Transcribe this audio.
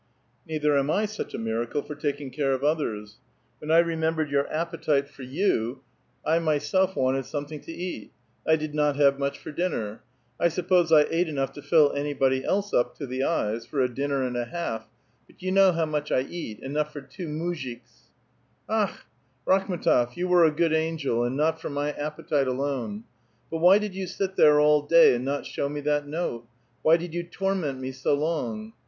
" Neither am I such a miracle for taking care of others. When I remembered 3'our appetite for you, 1 myself wanted something to eat ; I did not have much for dinner. I sup pose I ate enough to fill anybody else up to the eyes, for a dinner and a half ; but you know how much I eat — enough for two muzhiks. ^^^^ Akh! Rakhm^tof, you were a good angel, and not for my appetite alone. But why did you sit there all day, and not show me that note? Why did you torment me so long?